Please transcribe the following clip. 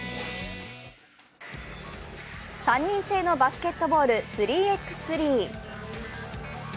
３人制のバスケットボール、３ｘ３。